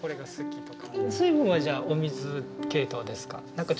水分はじゃあお水系統ですか？